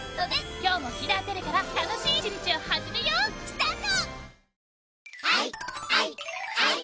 今日も『きんだーてれび』から楽しい一日を始めよう！スタート！